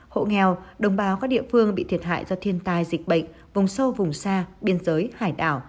hộ nghèo đồng bào các địa phương bị thiệt hại do thiên tai dịch bệnh vùng sâu vùng xa biên giới hải đảo